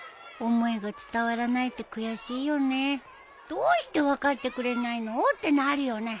どうして分かってくれないのってなるよね。